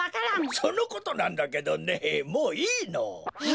そのことなんだけどねもういいの。え？